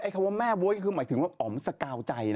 คำว่าแม่บ๊วยคือหมายถึงว่าอ๋อมสกาวใจนะ